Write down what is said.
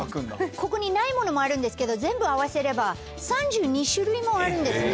ここにないものもあるんですけど全部合わせれば３２種類もあるんですね。